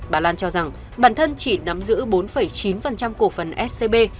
bà lan cho rằng bản thân chỉ nắm giữ bốn chín cổ phần scb